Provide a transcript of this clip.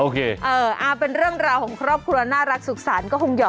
ใกล้แล้วนะใกล้แล้วค่ะคุณ